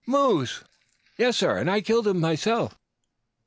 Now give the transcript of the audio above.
"Moose?" "Yes, sir, and I killed him myself."